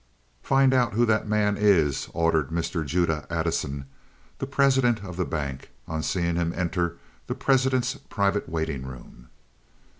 "Find out who that man is," ordered Mr. Judah Addison, the president of the bank, on seeing him enter the president's private waiting room.